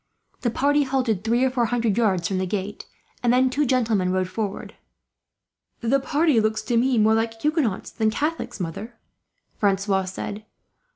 The party halted, three or four hundred yards from the gate, and then two gentlemen rode forward. "The party look to me more like Huguenots than Catholics, mother," Francois had said.